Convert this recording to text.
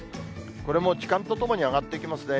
これも時間とともに上がっていきますね。